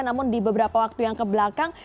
namun di beberapa waktu yang kebelakang